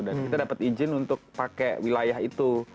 dan kita dapat izin untuk pakai wilayah itu